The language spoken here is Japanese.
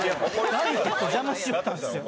ダイエットを邪魔しよったんですよ。